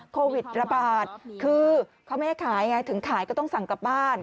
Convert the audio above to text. โควิดระบาดคือเขาไม่ให้ขายไงถึงขายก็ต้องสั่งกลับบ้าน